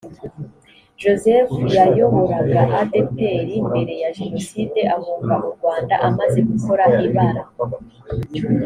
joseph yayoboraga adepr mbere ya jenoside ahunga u rwanda amaze gukora ibara